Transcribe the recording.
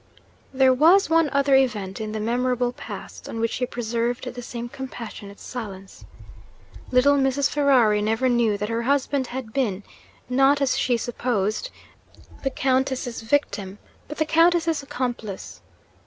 There was one other event in the memorable past on which he preserved the same compassionate silence. Little Mrs. Ferrari never knew that her husband had been not, as she supposed, the Countess's victim but the Countess's accomplice.